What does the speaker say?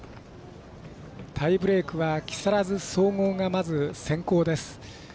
タイブレークは木更津総合がまず先攻です。